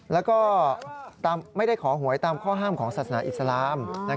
แล้วก็ไม่ได้ขอหวยตามข้อห้ามของศาสนาอิสลาม